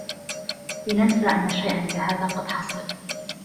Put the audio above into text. لننسى أنّ شيئا كهذا قد حصل.